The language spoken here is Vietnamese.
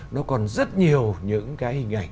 nó còn rất nhiều những cái hình ảnh